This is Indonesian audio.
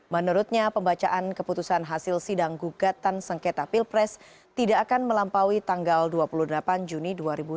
menurutnya pembacaan keputusan hasil sidang gugatan sengketa pilpres tidak akan melampaui tanggal dua puluh delapan juni dua ribu sembilan belas